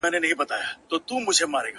لکه نغمه لکه سيتار خبري ډيري ښې دي_